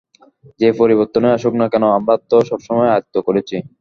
যে পরিবর্তনই আসুক না কেন আমরা তা সবসময় আয়ত্ত করেছি।